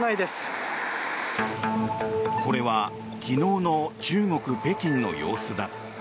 これは昨日の中国・北京の様子だ。